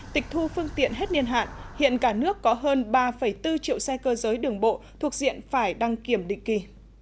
tịch thu phương tiện hết niên hạn hiện cả nước có hơn ba bốn triệu xe cơ giới đường bộ thuộc diện phải đăng kiểm định kỳ